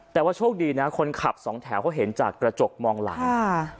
แต่ว่าโชคดีนะคนขับสองแถวเขาเห็นจากกระจกมองหลังอ่า